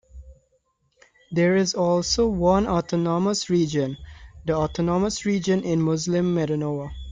There is also one autonomous region, the Autonomous Region in Muslim Mindanao.